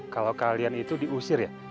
kalau kalian itu diusir ya